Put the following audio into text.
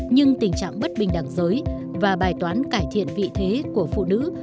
nhưng tình trạng bất bình đẳng giới và bài toán cải thiện vị thế của phụ nữ